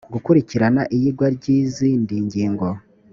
gukurikirana iyigwa ry izindi ngingo